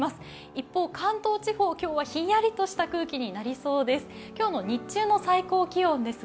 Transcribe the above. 一方、関東地方、今日はひんやりとした空気になりそうです。